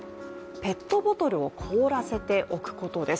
ペットボトルを凍らせておくことです。